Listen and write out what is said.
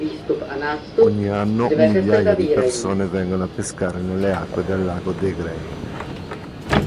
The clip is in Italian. Ogni anno migliaia di persone vengono a pescare nelle acque del lago DeGray.